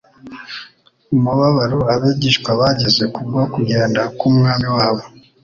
Umubabaro abigishwa bagize kubwo kugenda k'Umwami wabo,